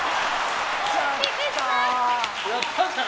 やったじゃん。